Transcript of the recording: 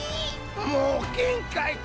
もうげんかいカ。